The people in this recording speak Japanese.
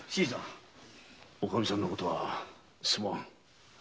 おかみさんのことはすまん。